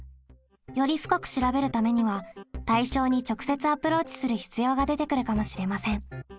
より深く調べるためには対象に直接アプローチする必要が出てくるかもしれません。